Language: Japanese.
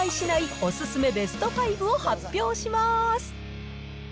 お勧めベスト５を発表します。